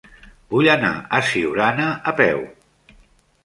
Vull anar a Siurana a peu.